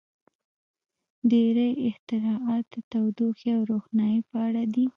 • ډېری اختراعات د تودوخې او روښنایۍ په اړه دي.